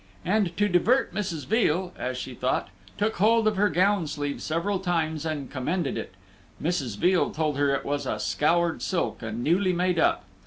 And to divert Mrs. Veal, as she thought, took hold of her gown sleeve several times, and commended it. Mrs. Veal told her it was a scoured silk, and newly made up.